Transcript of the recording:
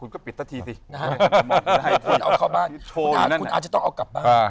คุณก็ปิดสักทีสิคุณเอาเข้าบ้านคุณอ้าวจะต้องเอากลับบ้าน